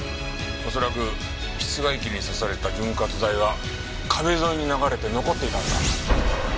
恐らく室外機に差された潤滑剤が壁沿いに流れて残っていたんだ。